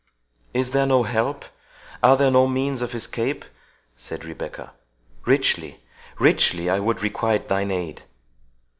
"Is there no help?—Are there no means of escape?" said Rebecca—"Richly, richly would I requite thine aid."